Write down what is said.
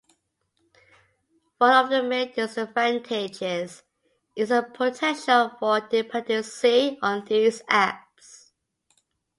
One of the main disadvantages is the potential for dependency on these apps.